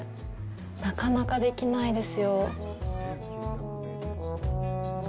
なかなかできないですよ。